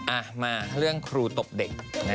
อ่ะมาเรื่องครูตบเด็ก